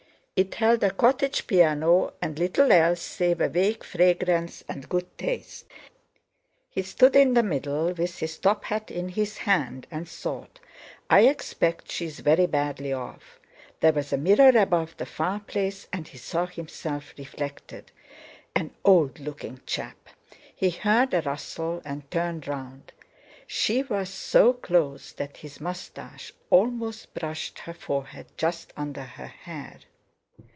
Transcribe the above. It held a cottage piano and little else save a vague fragrance and good taste. He stood in the middle, with his top hat in his hand, and thought: "I expect she's very badly off!" There was a mirror above the fireplace, and he saw himself reflected. An old looking chap! He heard a rustle, and turned round. She was so close that his moustache almost brushed her forehead, just under her hair.